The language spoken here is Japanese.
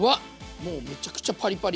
もうめちゃくちゃパリパリ。